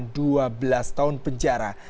mereka terancam dua belas tahun penjara